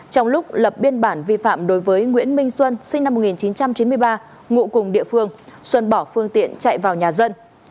trong lúc lập biên bản vi phạm đối với nguyễn minh xuân sinh năm một nghìn chín trăm chín mươi ba ngụ cùng địa phương xuân bỏ phương tiện chạy vào nhà dân